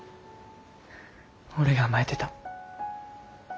俺が甘えてた。